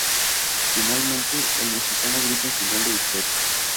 Finalmente, el mexicano grita en señal de victoria.